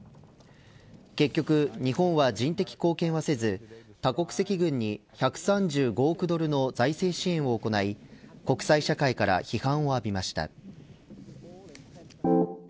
結局、日本は人的貢献はせず多国籍軍に１３５億ドルの財政支援を行い国際社会から批判を浴びました。